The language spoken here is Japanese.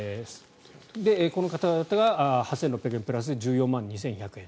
この方々が８６００円プラスで１４万２１００円